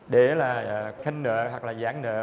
để là khen nợ hoặc là giãn nợ